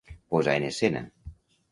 Posar en escena.